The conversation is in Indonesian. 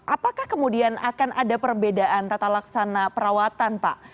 apakah kemudian akan ada perbedaan tata laksana perawatan pak